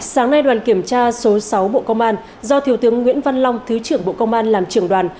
sáng nay đoàn kiểm tra số sáu bộ công an do thiều tướng nguyễn văn long thứ trưởng bộ công an làm trưởng đoàn